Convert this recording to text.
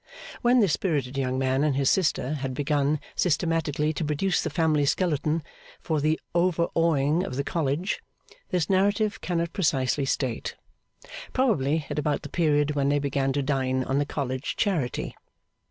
When this spirited young man and his sister had begun systematically to produce the family skeleton for the overawing of the College, this narrative cannot precisely state. Probably at about the period when they began to dine on the College charity.